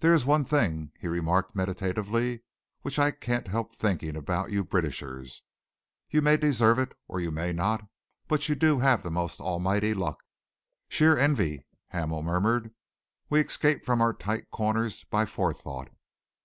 "There is one thing," he remarked meditatively, "which I can't help thinking about you Britishers. You may deserve it or you may not, but you do have the most almighty luck." "Sheer envy," Hamel murmured. "We escape from our tight corners by forethought."